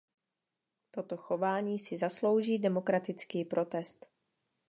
Toto chování si zaslouží demokratický protest.